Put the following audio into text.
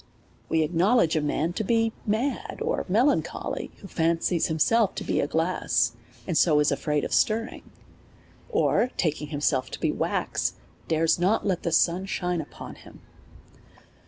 We acknowledge a man to be mad or melancholy, who fancies himself to be glass, and so is afraid of stirring ; or, taking himself to be wax, dare not let the sun shine upon him.